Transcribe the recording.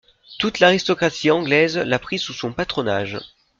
Toute l’aristocratie anglaise la prit sous son patronage.